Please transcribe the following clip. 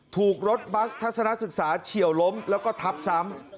ถูกรถบัสทัศนศึกษาเฉียวล้มแล้วก็ทับซ้ำ